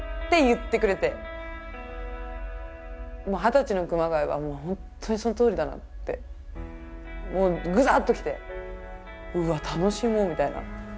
二十歳の熊谷はもう本当にそのとおりだなってぐさっと来てうわっ楽しもうみたいな。